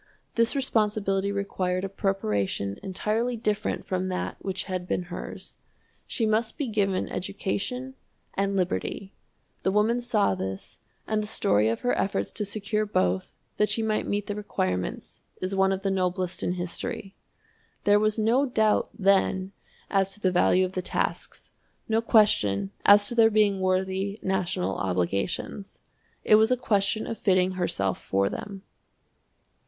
This responsibility required a preparation entirely different from that which had been hers. She must be given education and liberty. The woman saw this, and the story of her efforts to secure both, that she might meet the requirements, is one of the noblest in history. There was no doubt, then, as to the value of the tasks, no question as to their being worthy national obligations. It was a question of fitting herself for them.